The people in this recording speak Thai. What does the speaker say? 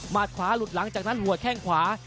ขวาหลุดหลังจากนั้นหัวแข้งขวา